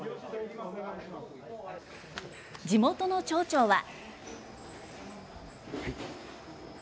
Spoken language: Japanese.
地元の町長は。